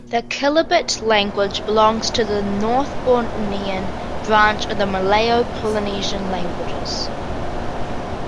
The Kelabit language belongs to the North Bornean branch of the Malayo-Polynesian languages.